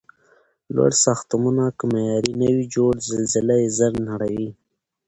لوړ ساختمونه که معیاري نه وي جوړ، زلزله یې زر نړوي.